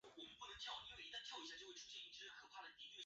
瑞秋宣称他最喜欢的电影是大片危险关系。